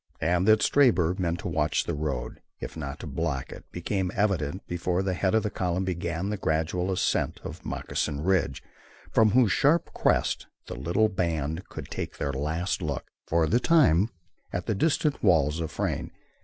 And that Stabber meant to watch the road, if not to block it, became evident before the head of column began the gradual ascent of Moccasin Ridge, from whose sharp crest the little band could take their last look, for the time, at least, at the distant walls of Frayne.